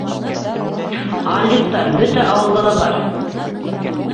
Алйоттар бөтә ауылда ла бар!